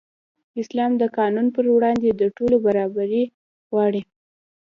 اسلام د قانون پر وړاندې د ټولو برابري غواړي.